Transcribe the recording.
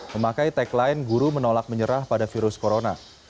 memakai tagline guru menolak menyerah pada virus corona